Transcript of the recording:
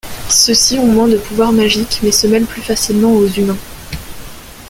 Ceux-ci ont moins de pouvoirs magiques mais se mêlent plus facilement aux humains.